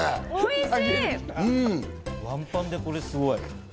ワンパンでこれすごい！